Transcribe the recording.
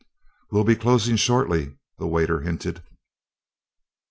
"We'll be closing shortly," the waiter hinted.